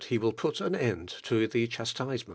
121 He will prat an end to the chastisement.